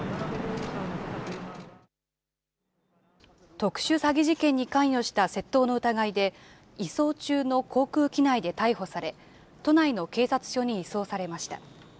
特殊詐欺事件に関与した窃盗の疑いで、移送中の航空機内で逮捕され、都内の警察署に移送されました。